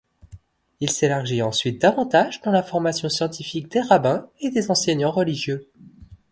Il s'élargit ensuite davantage dans la formation scientifique des rabbins et des enseignants religieux.